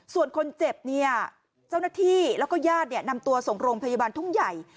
ส่วนคนเจ็บเจ้าหน้าที่และย่าดนำตัวส่งโรงพยาบาลทุ่งใหญ่